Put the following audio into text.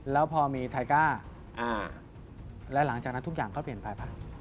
แล้วพอมีไทก้าแล้วหลังจากนั้นทุกอย่างก็เปลี่ยนไปป่ะ